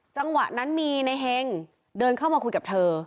จังหวะนั้นมีในเฮงเดินเข้ามาคุยกับเธอ